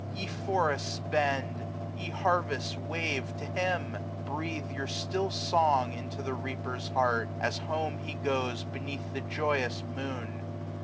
Ye forests bend, ye harvests wave, to Him ; Breathe your still song into the reaper's heart, 60 As home he goes beneath the joyous moon.